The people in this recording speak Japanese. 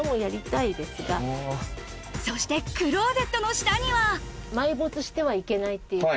そしてクローゼットの下には埋没してはいけないっていう。